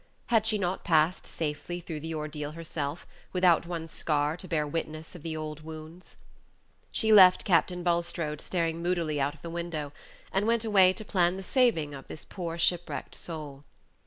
Had she not passed safely through the ordeal herself, without one scar to bear witness of the old wounds? She left Captain Bulstrode staring moodily out of the window, and went away to plan the saving of this poor shipwrecked soul.